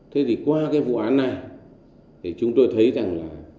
thế thì qua vụ án này chúng tôi thấy rằng